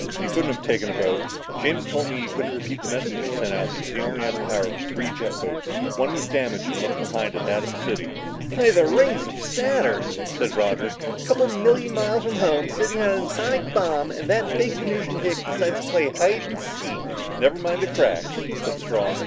"He couldn't have taken a boat. James told me he couldn't repeat the message he sent out because he only had the power of three jet boats. One was damaged and left behind at Atom City!" "By the rings of Saturn," said Roger, "a coupla million miles from home, sitting on an atomic bomb and that big Venusian hick decides to play hide and seek!" "Never mind the cracks," said Strong.